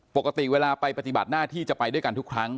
ปกติเวลาไปปฏิบัติหน้าที่จะไปด้วยกันทุกครั้ง